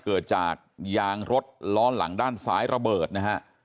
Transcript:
เกิดจากยางรถล้อหลังด้านซ้ายระเบิดนะฮะ